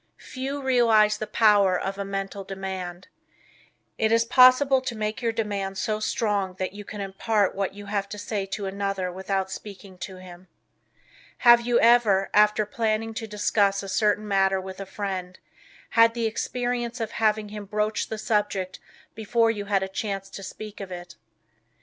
Few realize the power of a Mental Demand. It is possible to make your demand so strong that you can impart what you have to say to another without speaking to him. Have you ever, after planning to discuss a certain matter with a friend, had the experience of having him broach the subject before you had a chance to speak of it?